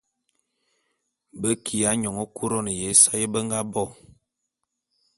Be kiya nyône Couronne ya ésae be nga bo.